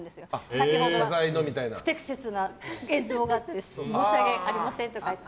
先ほどは不適切な言動があって申し訳ありませんとかって。